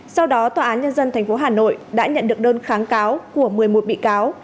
sau đó tòa án nhân dân tp hà nội đã nhận được đơn kháng cáo của một mươi một bị cáo